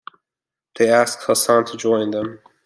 They asked Hassan to join them.